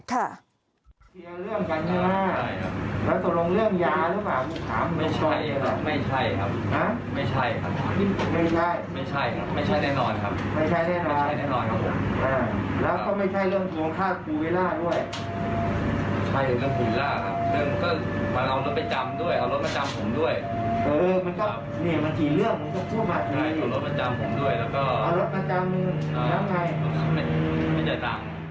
เท่าไหร่